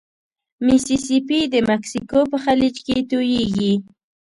ميسي سي پي د مکسیکو په خلیج توییږي.